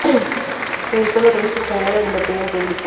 Editó la "Revista Española de la Opinión Pública".